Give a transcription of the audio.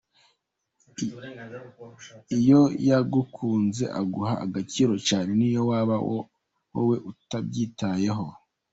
Iyo yagukunze aguha agaciro cyane niyo waba wowe utabyitayeho.